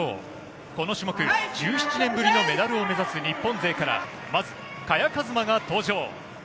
この種目１７年ぶりのメダルを目指す日本勢からまず萱和磨が登場。